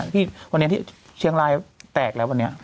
ที่เชียงรายแตกแล้ววันนี้